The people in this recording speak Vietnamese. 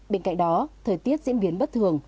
bên cạnh đó thời tiết diễn biến bất thường